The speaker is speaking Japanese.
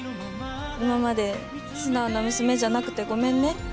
今まで素直な娘じゃなくてごめんね。